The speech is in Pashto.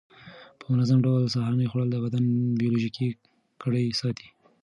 په منظم ډول سهارنۍ خوړل د بدن بیولوژیکي ګړۍ ساتي.